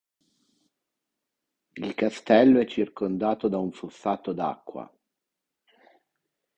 Il castello è circondato da un fossato d'acqua.